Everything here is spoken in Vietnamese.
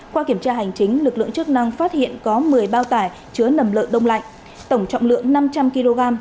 qua kiểm tra hành chính lực lượng chức năng phát hiện có một mươi bao tải chứa nầm lợn đông lạnh tổng trọng lượng năm trăm linh kg